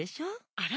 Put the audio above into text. あら？